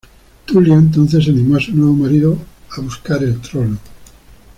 Tulia entonces animó a su nuevo marido a buscar el trono.